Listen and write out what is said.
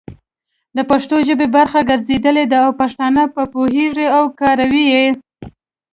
د پښتو ژبې برخه ګرځېدلي دي او پښتانه په پوهيږي او کاروي يې،